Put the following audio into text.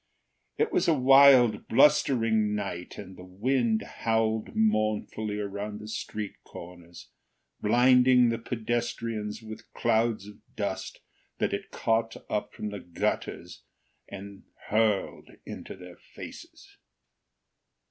It was a wild, blustering night, and the wind howled mournfully around the street corners, blinding the pedestrians with the clouds of dust that it caught up from the gutters and hurled into their faces.